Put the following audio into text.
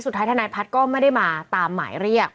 ทนายพัฒน์ก็ไม่ได้มาตามหมายเรียก